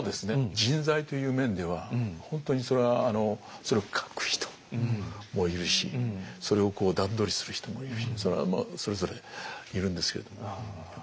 人材という面では本当にそれはそれを書く人もいるしそれをこう段取りする人もいるしそれはそれぞれいるんですけれども。